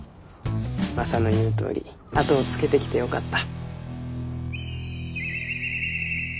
マサの言うとおり後をつけてきてよかった。